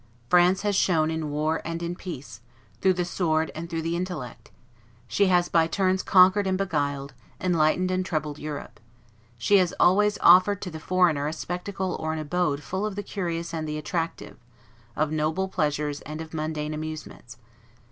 France has shone in war and in peace, through the sword and through the intellect: she has by turns conquered and beguiled, enlightened and troubled Europe; she has always offered to the foreigner a spectacle or an abode full of the curious and the attractive, of noble pleasures and of mundane amusements.